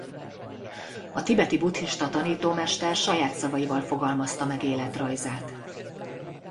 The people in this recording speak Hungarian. A tibeti buddhista tanítómester saját szavaival fogalmazta meg életrajzát.